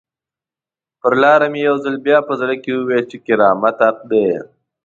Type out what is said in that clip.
پر لاره مې یو ځل بیا په زړه کې وویل چې کرامت حق دی.